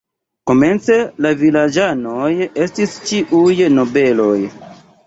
Komence la vilaĝanoj estis ĉiuj nobeloj.